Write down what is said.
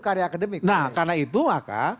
karya akademik nah karena itu maka